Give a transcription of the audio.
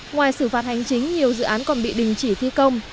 ngoài xử phạt hành chính nhiều dự án còn bị đình chỉ thi công